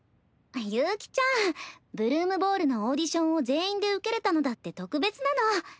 悠希ちゃん「ブルームボール」のオーディションを全員で受けれたのだって特別なの。